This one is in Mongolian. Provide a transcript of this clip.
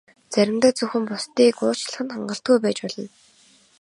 Заримдаа зөвхөн бусдыг уучлах нь хангалтгүй байж болно.